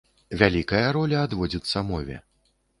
Вялікая роля адводзіцца мове.